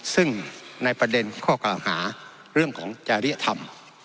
ซึ่งในประเด็นข้อกล่าวหาเรื่องของจริยธรรม